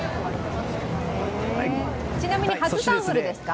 ちなみに初タンフルですか。